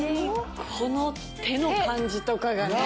手の感じとかがね。